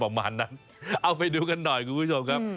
ประมาณนั้นเอาไปดูกันหน่อยคุณผู้ชมครับ